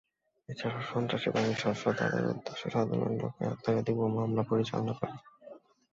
এছাড়াও, সন্ত্রাসী বাহিনীর সদস্যরা তাদের উদ্দেশ্য সাধনের লক্ষ্যে আত্মঘাতী বোমা হামলা পরিচালনা করে।